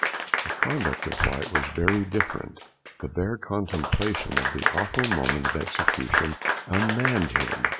The conduct of White was very different, the bare contemplation of the awful moment of execution unmanned him.